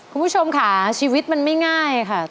คุณผู้ชมค่ะชีวิตมันไม่ง่ายค่ะ